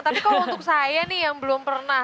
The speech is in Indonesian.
tapi kalau untuk saya nih yang belum pernah